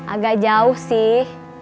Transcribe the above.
agak jauh sih